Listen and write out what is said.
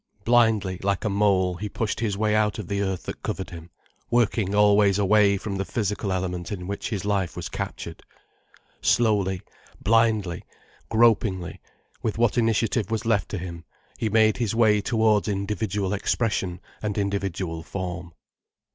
Blindly, like a mole, he pushed his way out of the earth that covered him, working always away from the physical element in which his life was captured. Slowly, blindly, gropingly, with what initiative was left to him, he made his way towards individual expression and individual form.